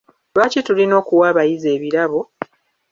Lwaki tulina okuwa abayizi ebirabo?